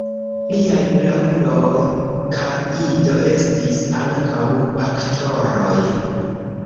Liaj prauloj kaj ido estis ankaŭ aktoroj.